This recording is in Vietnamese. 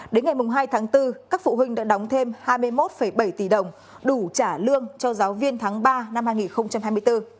đến ngày hai tháng bốn các phụ huynh đã đóng thêm hai mươi một bảy tỷ đồng đủ trả lương cho giáo viên tháng ba năm hai nghìn hai mươi bốn